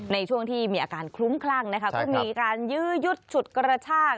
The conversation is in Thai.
ในช่วงที่มีอาการคลุ้มคลั่งนะคะก็มีการยื้อยุดฉุดกระชาก